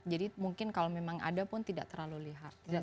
jadi mungkin kalau memang ada pun tidak terlalu lihat